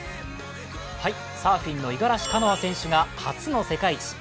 サーフィンの五十嵐カノア選手が初の世界一。